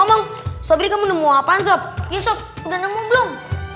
hai sobi kamu nemu apaan sob ya sob udah nemu belum